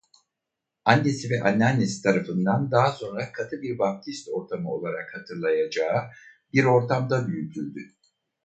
Annesi ve anneannesi tarafından daha sonra katı bir Baptist ortamı olarak hatırlayacağı bir ortamda büyütüldü.